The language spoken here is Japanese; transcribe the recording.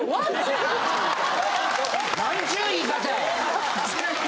なんちゅう言い方や。